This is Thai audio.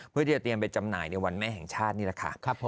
เพื่อที่จะเตรียมไปจำหน่ายในวันแม่แห่งชาตินี่แหละค่ะ